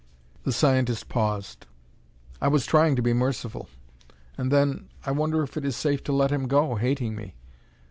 The scientist paused. "I was trying to be merciful. And then, I wonder if it is safe to let him go, hating me?